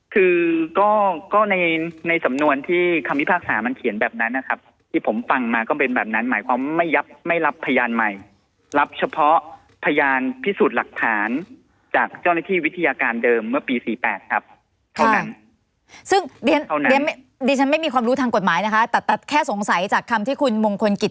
คือก็ในในสำนวนที่คำพิพากษามันเขียนแบบนั้นนะครับที่ผมฟังมาก็เป็นแบบนั้นหมายความไม่ยับไม่รับพยานใหม่รับเฉพาะพยานพิสูจน์หลักฐานจากเจ้าหน้าที่วิทยาการเดิมเมื่อปี๔๘ครับเท่านั้นซึ่งเรียนไม่มีความรู้ทางกฎหมายนะคะแต่แค่สงสัยจากคำที่คุณมงคลกิจ